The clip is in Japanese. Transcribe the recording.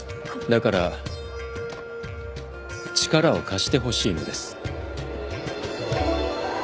だから力を貸してほしいのです。